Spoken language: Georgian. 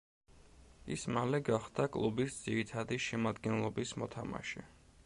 ის მალე გახდა კლუბის ძირითადი შემადგენლობის მოთამაშე.